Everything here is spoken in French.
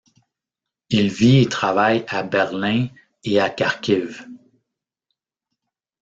Il vit et travaille à Berlin et à Kharkiv.